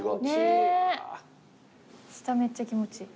下めっちゃ気持ちいい。